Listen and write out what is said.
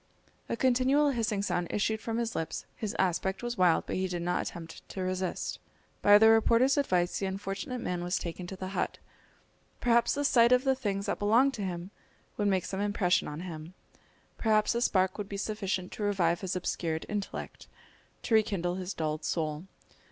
A continual hissing sound issued from his lips, his aspect was wild, but he did not attempt to resist. By the reporter's advice the unfortunate man was taken to the hut. Perhaps the sight of the things that belonged to him would make some impression on him! Perhaps a spark would be sufficient to revive his obscured intellect, to rekindle his dulled soul.